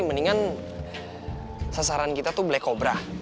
mendingan sasaran kita tuh black cobra